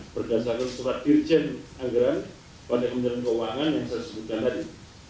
berdasarkan surat dirjen anggaran pada kementerian keuangan yang saya sebutkan tadi